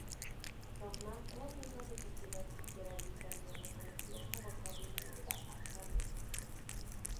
Kauffman era miembro de Sociedad literaria italiana conocida como Academia de la Arcadia.